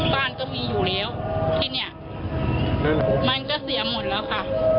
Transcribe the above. บ้านก็มีอยู่แล้วที่เนี่ยมันก็เสียหมดแล้วค่ะ